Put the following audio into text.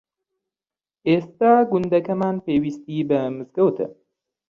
ئێستا گوندەکەمان پێویستی بە مزگەوتە.